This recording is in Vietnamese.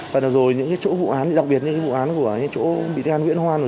và rồi những chỗ vụ án đặc biệt những vụ án của những chỗ bị than viễn hoan rồi